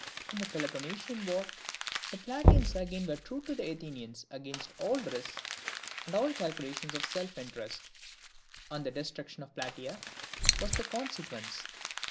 In the Peloponnesian War the Plataeans again were true to the Athenians against all risks and all calculation of self interest; and the destruction of Plataea was the consequence.